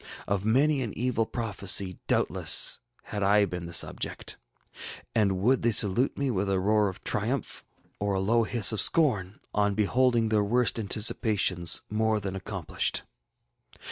Of many an evil prophecy, doubtless, had I been the subject. And would they salute me with a roar of triumph or a low hiss of scorn, on beholding their worst anticipations more than accomplished?